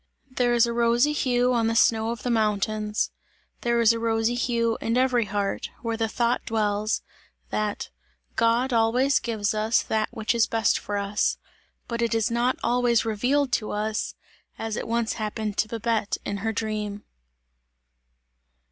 There is a rosy hue on the snow of the mountains; there is a rosy hue in every heart, where the thought dwells, that: "God always gives us that which is best for us!" but it is not always revealed to us, as it once happened to Babette in her dream.